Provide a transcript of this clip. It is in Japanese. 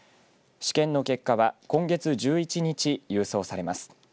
試験の結果は今月１１日、郵送されます。